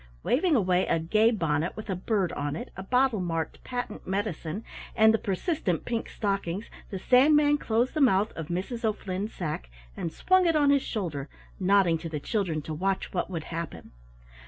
Waving away a gay bonnet with a bird on it, a bottle marked "Patent Medicine," and the persistent pink stockings, the Sandman closed the mouth of Mrs. O'Flynn's sack, and swung it on his shoulder, nodding to the children to watch what would happen.